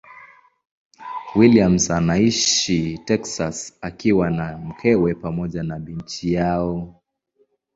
Williams anaishi Texas akiwa na mkewe pamoja na binti yao.